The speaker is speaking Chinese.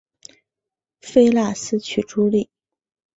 菲腊斯娶茱莉。